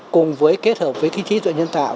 cùng với kết hợp với kinh trí dựa nhân tạo